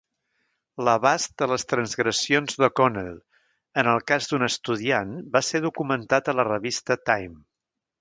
L'abast de les transgressions d'O'Connell en el cas d'un estudiant va ser documentat a la revista "Time".